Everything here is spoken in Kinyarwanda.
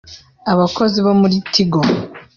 abakozi bo muri Tigo